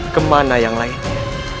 kemana yang lainnya